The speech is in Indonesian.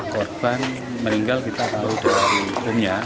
korban meninggal kita tahu dari hukumnya